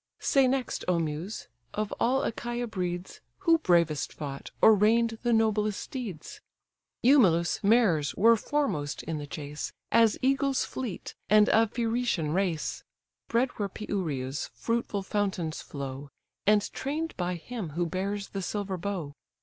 Say next, O Muse! of all Achaia breeds, Who bravest fought, or rein'd the noblest steeds? Eumelus' mares were foremost in the chase, As eagles fleet, and of Pheretian race; Bred where Pieria's fruitful fountains flow, And train'd by him who bears the silver bow.